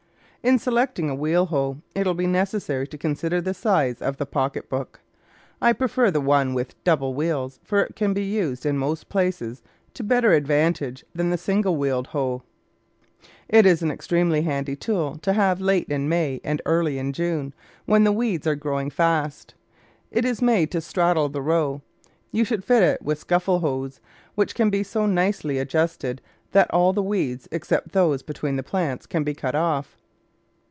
In selecting a wheel hoe, it w^ill be necessary to THE VEGETABLE GARDEN consider the size of the pocket book. I prefer the one with double wheels, for it can be used in most places to better advantage than the single wheel hoe. It is an extremely handy tool to have late in May and early in June, when the weeds are grow ing fast. It is made to straddle the row. You should fit it with scuffle hoes, which can be so nicely ad justed that all the weeds except those between the plants can be cut off.